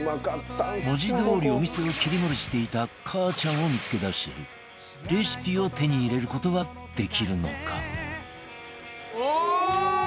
文字どおりお店を切り盛りしていたかあちゃんを見付け出しレシピを手に入れる事はできるのか？